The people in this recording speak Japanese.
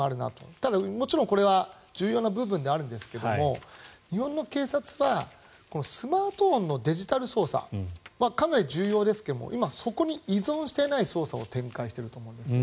ただ、もちろんこれは重要な部分ではあるんですが日本の警察はスマートフォンのデジタル捜査かなり重要ですが今、そこに依存していない捜査を展開していると思うんです。